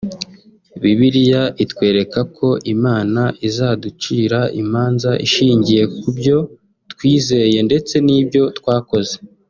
Bibiliya itwereka ko Imana izaducira imanza inshingiye kubyo twizeye ndetse nibyo twakoze